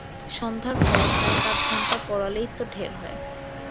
সন্ধ্যার পর এক-আধ ঘণ্টা পড়ালেই তো ঢের হয়।